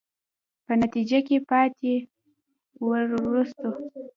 په نتیجه کې پاتې، وروستو.